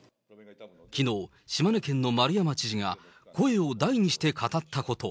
きのう、島根県の丸山知事が、声を大にして語ったこと。